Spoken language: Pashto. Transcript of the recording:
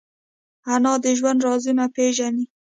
انا د ژوند رازونه پېژني